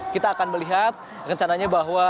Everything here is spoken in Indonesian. kita akan melihat rencananya bahwa